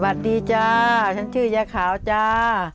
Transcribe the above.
สวัสดีจ้าฉันชื่อยาขาวจ้า